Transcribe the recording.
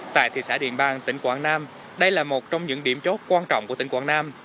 tại thị xã điện bàn tỉnh quảng nam đây là một trong những điểm chốt quan trọng của tỉnh quảng nam